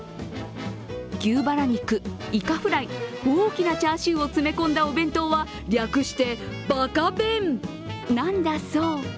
牛バラ肉、イカフライ、大きなチャーシューを詰め込んだお弁当は略して、バカ弁なんだそう。